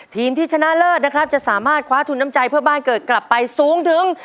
ทีมที่ชนะเลิศนะครับจะสามารถคว้าทุนน้ำใจเพื่อบ้านเกิดกลับไปสูงถึง